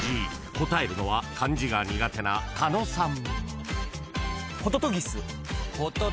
［答えるのは漢字が苦手な狩野さん］